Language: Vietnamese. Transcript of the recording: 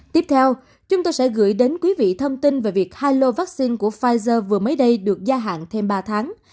tiếp theo chúng tôi sẽ gửi đến quý vị thông tin về việc hai lô vaccine của pfizer vừa mới đây được gia hạn thêm ba tháng